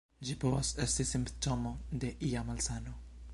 Ĝi povas esti simptomo de ia malsano.